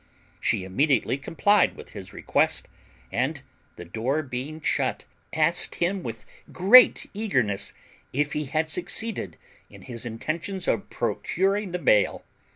She immediately complied with his request, and, the door being shut, asked him with great eagerness if he had succeeded in his intentions of procuring the bail.